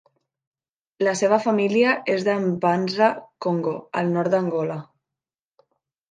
La seva família és de M'banza-Kongo, al nord d'Angola.